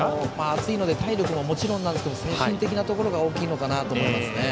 暑いので体力ももちろんですけど精神的なところが大きいのかなと思いますね。